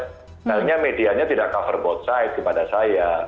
ternyata medianya tidak cover both sides kepada saya